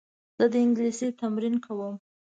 زه د انګلیسي تمرین کوم.